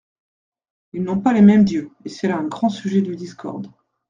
Ils n'ont pas les mêmes dieux, et c'est là un grand sujet de discorde.